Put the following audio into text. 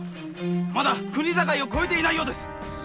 まだ国境越えてないようです。